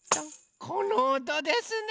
このおとですね！